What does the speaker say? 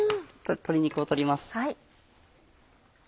鶏肉を取ります。